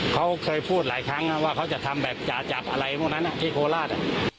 เขาเคยพูดหลายครั้งว่าเขาจะจะอย่าจัดอะไรที่โฮลาส